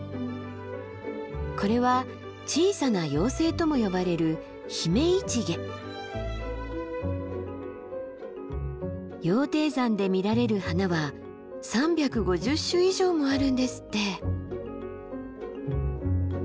これは「小さな妖精」とも呼ばれる羊蹄山で見られる花は３５０種以上もあるんですって。